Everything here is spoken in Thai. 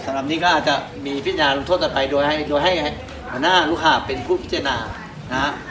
สำหรับนี้ก็อาจจะมีพิจารณาลงโทษกันไปโดยให้หัวหน้าลูกหาเป็นผู้พิจารณานะฮะ